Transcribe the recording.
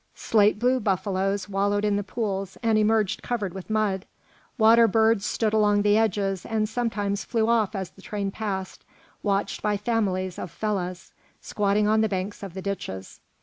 Slate blue buffaloes wallowed in the pools and emerged covered with mud; water birds stood along the edges, and sometimes flew off as the train passed, watched by families of fellahs, squatting on the banks of the ditches.